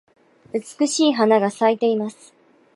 美しい花が咲いています。